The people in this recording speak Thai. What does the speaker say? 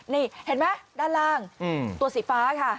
นี่เห็นไหมด้านล่างตัวสีฟ้าค่ะ